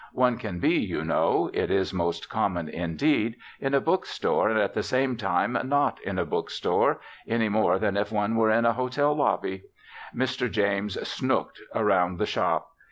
One can be, you know it is most common, indeed in a book store and at the same time not be in a book store any more than if one were in a hotel lobby. Mr. James "snooked" around the shop.